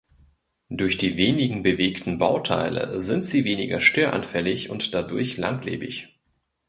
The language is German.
Durch die wenigen bewegten Bauteile sind sie weniger störanfällig und dadurch langlebig.